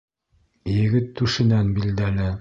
Егет түшенән билдәле.